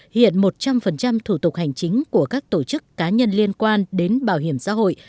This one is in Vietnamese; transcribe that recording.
hiện một trăm linh thủ tục hành chính của các tổ chức cá nhân liên quan đến bảo hiểm xã hội